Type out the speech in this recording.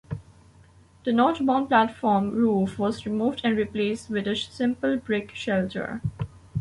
The northbound platform roof was removed and replaced with a simple brick shelter.